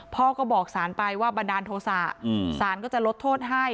พ่อก็บอกสารไปว่าบันดาลโทษะสารก็จะลดโทษให้